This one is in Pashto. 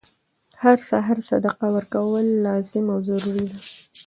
هر سهار صدقه ورکول لازم او ضروري ده،